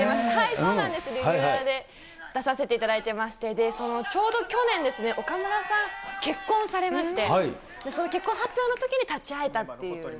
そうなんです、レギュラーで出させていただいてまして、そのちょうど去年ですね、岡村さん、結婚されまして、その結婚発表のときに立ち会えたっていう。